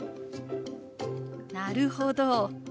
なるほど。